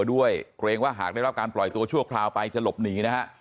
เกรงว่าหากได้รับการปล่อยตัวชั่วคราวไปจะหลบหนีนะฮะ